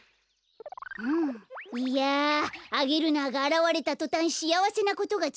いやアゲルナーがあらわれたとたんしあわせなことがつづいているよ。